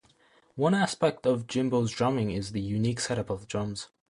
One aspect of Jimbo's drumming is the unique setup of drums.